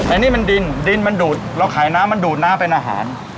อันนี้มันดินดินมันดูดเราขายน้ำมันดูดน้ำเป็นอาหาร